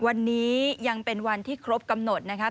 วันนี้ยังเป็นวันที่ครบกำหนดนะครับ